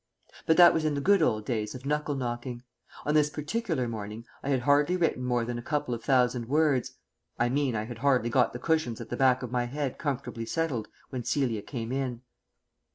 But that was in the good old days of knuckle knocking. On this particular morning I had hardly written more than a couple of thousand words I mean I had hardly got the cushions at the back of my head comfortably settled when Celia came in.